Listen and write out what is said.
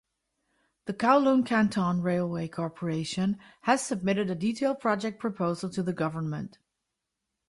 The Kowloon-Canton Railway Corporation has submitted a detailed project proposal to the government.